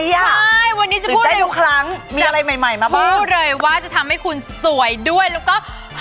ใช่วันนี้จะพูดเลยว่าจะทำให้คุณสวยด้วยแล้วก็